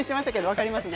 分かりますよね。